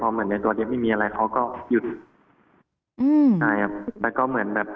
เหมือนในตัวเดียวไม่มีอะไรเขาก็หยุดอืมใช่ครับแล้วก็เหมือนแบบ